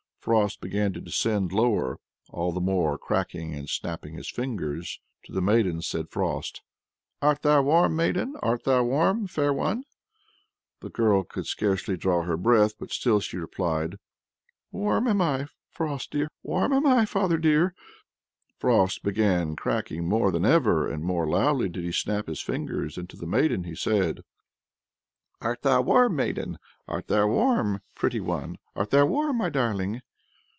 Frost began to descend lower, all the more cracking and snapping his fingers. To the maiden said Frost: "Art thou warm, maiden? Art thou warm, fair one?" The girl could scarcely draw her breath, but still she replied: "Warm am I, Frost dear: warm am I, father dear!" Frost began cracking more than ever, and more loudly did he snap his fingers, and to the maiden he said: "Art thou warm, maiden? Art thou warm, pretty one? Art thou warm, my darling?"